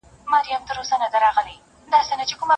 په ګرداب کی ستاسي کلی د پلار ګور دی